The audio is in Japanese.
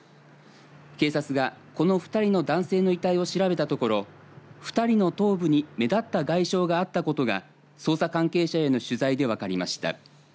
警察がこの２人の男性の遺体を調べたところ２人の頭部に目立った外傷があったことが捜査関係者への取材で分かりました。